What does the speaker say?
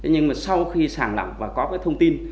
nhưng sau khi sàng lỏng và có thông tin